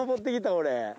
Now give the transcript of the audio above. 俺。